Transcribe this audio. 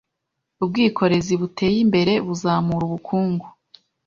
Ubwikorezi buteye imbere buzamura ubukungu.